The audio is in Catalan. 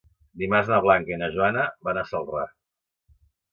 Dimarts na Blanca i na Joana van a Celrà.